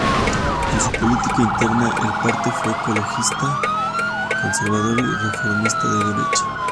En su política interna el parte fue ecologista, conservador y reformista de derecha.